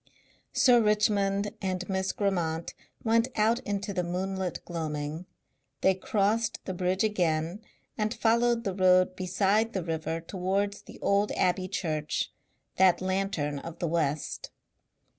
Sir Richmond and Miss Grammont went out into the moonlit gloaming; they crossed the bridge again and followed the road beside the river towards the old Abbey Church, that Lantern of the West.